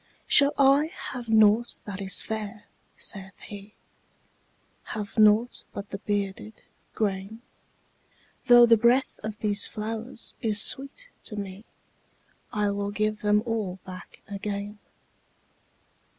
``Shall I have nought that is fair?'' saith he; ``Have nought but the bearded grain? Though the breath of these flowers is sweet to me, I will give them all back again.''